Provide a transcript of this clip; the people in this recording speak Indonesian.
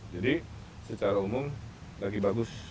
jadi secara umum lagi bagus